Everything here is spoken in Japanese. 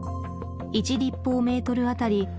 １立方メートルあたり